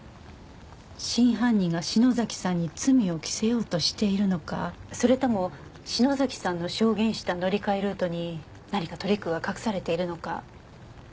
真犯人が篠崎さんに罪を着せようとしているのかそれとも篠崎さんの証言した乗り換えルートに何かトリックが隠されているのか。